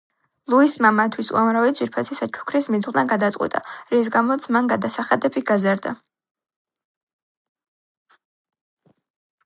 ლუისმა მათთვის უამრავი ძვირფასი საჩუქრის მიძღვნა გადაწყვიტა, რის გამოც მან გადასახადები გაზარდა.